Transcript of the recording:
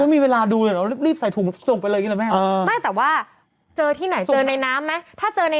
ไม่แต่ว่าเจอที่ไหนเจอในน้ำไหม